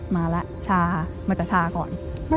มาแล้วชามันจะชาก่อน